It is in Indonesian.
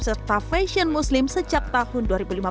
serta fashion muslim sejak tahun dua ribu lima belas